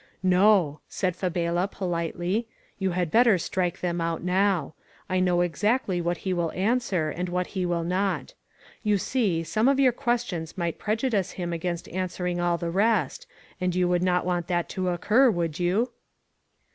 "No," said Fabela, politely. "You had better strike them out now. I know exactly what he will answer and what he will not. You see, some of your questions might prejudice him against answering all the rest, and you would not want that to occur, would you?"